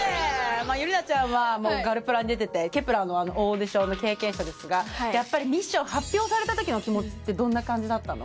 ゆりなちゃんは『ガルプラ』に出ててＫｅｐ１ｅｒのオーディションの経験者ですがやっぱりミッション発表された時の気持ちってどんな感じだったの？